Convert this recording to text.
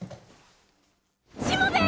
しもべえ！